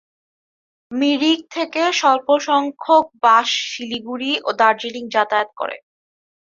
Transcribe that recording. মিরিক থেকে অল্পসংখ্যক বাস শিলিগুড়ি ও দার্জিলিং যাতায়াত করে।